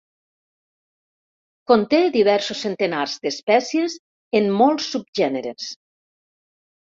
Conté diversos centenars d'espècies en molts subgèneres.